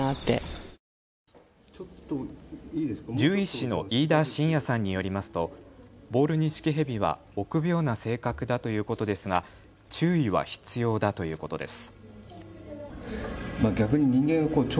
獣医師の飯田伸弥さんによりますとボールニシキヘビは臆病な性格だということですが注意は必要だということです。